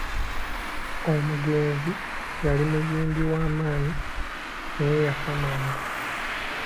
Omugenzi yali muyimbi wa maanyi naye yafa mangu.